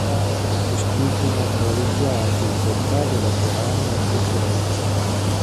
Quest'ultimo realizzò anche il portale laterale in pietra grigia.